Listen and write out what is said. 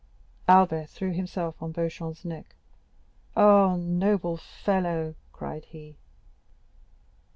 Albert threw himself on Beauchamp's neck. "Ah, noble fellow!" cried he.